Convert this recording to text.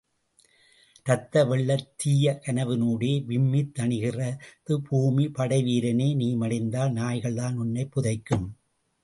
ரத்த வெள்ளத் தீய கனவினூடே விம்மித் தணிகிறது பூமி படை வீரனே நீ மடிந்தால் நாய்கள்தான் உன்னைப் புதைக்கும்.